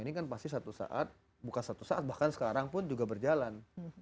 ini kan pasti satu saat bukan satu saat bahkan sekarang pun juga berjalan